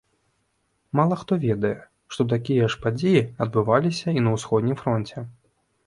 Мала хто ведае, што такія ж падзеі адбываліся і на ўсходнім фронце.